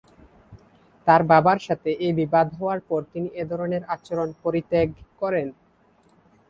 তার বাবার সাথে এ বিবাদ হওয়ার পর তিনি এ ধরনের আচরণ পরিত্যাগ করেন।